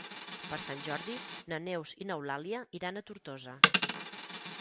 Per Sant Jordi na Neus i n'Eulàlia iran a Tortosa.